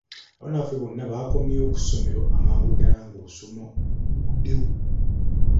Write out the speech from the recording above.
Abaana baffe bonna baakomyewo ku ssomero amangu ddala ng'olusoma lugguddewo.